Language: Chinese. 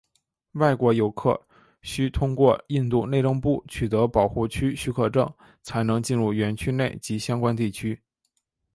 外国游客需通过印度内政部取得保护区许可证才能进入园区内及相关地区。